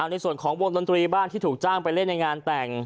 ในส่วนของวงดนตรีบ้านที่ถูกจ้างไปเล่นในงานแต่ง